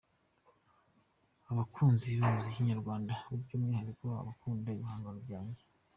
abakunzi bumuzik nyarwanda byumwihariko abakunda ibihangano byanjye.